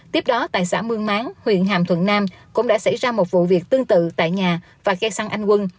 tiếp đó tại xã mương máng huyện hàm thuận nam cũng đã xảy ra một vụ việc tương tự tại nhà và cây săn anh quân